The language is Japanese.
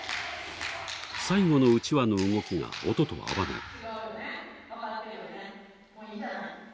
最後のうちわの動きが音と合わない。